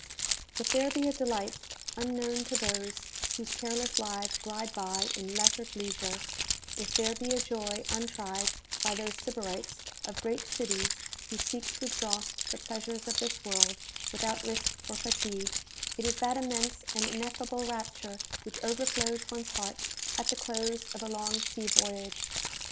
If there be a delight unknown to those whose careless lives glide by in lettered leisure; if there be a joy untried by those Sybarites of great cities who seek to exhaust the pleasures of this world without risk or fatigue, it is that immense and ineffable rapture which overflows one's heart at the close of a long sea voyage.